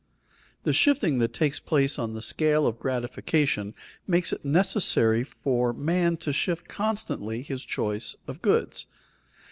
_ The shifting that takes place on the scale of gratification makes it necessary for man to shift constantly his choice of goods.